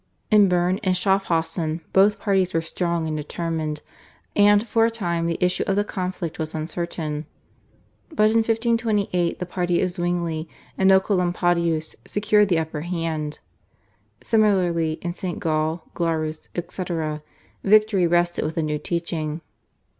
In Berne and Schaffhausen both parties were strong and determined, and for a time the issue of the conflict was uncertain, but in 1528 the party of Zwingli and Oecolampadius secured the upper hand. Similarly in St. Gall, Glarus, etc., victory rested with the new teaching.